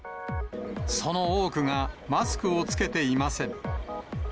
その多くが、マスクを着けていません。